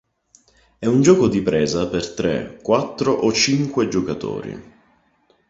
È un gioco di presa per tre, quattro o cinque giocatori.